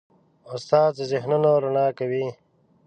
استاد د ذهنونو رڼا کوي.